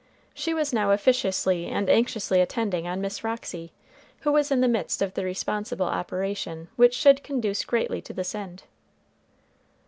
She was now officiously and anxiously attending on Miss Roxy, who was in the midst of the responsible operation which should conduce greatly to this end.